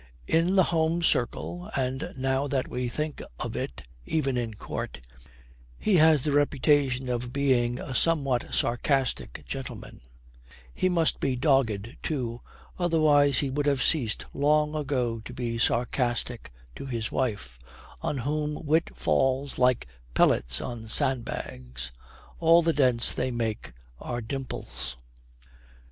In the home circle (and now that we think of it, even in court) he has the reputation of being a somewhat sarcastic gentleman; he must be dogged, too, otherwise he would have ceased long ago to be sarcastic to his wife, on whom wit falls like pellets on sandbags; all the dents they make are dimples.